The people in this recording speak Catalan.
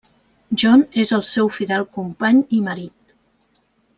John és el seu fidel company i marit.